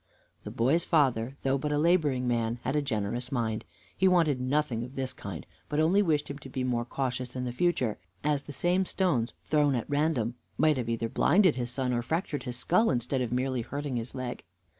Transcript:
The boy's father, though but a laboring man, had a generous mind; he wanted nothing of this kind, but only wished him to be more cautious in future, as the same stones, thrown at random, might have either blinded his son or fractured his skull, instead of merely hurting his leg.